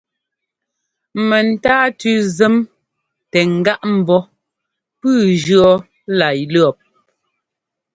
Mɛntáatʉ́ zɛ́m tɛ ŋ́gáꞌ mbɔ́ pʉ́ʉ jʉɔ́ lá lʉ̈ɔ́p!